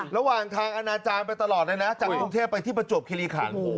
ระหว่างทางอนาจารย์ไปตลอดเลยนะจากกรุงเทพไปที่ประจวบคิริขัน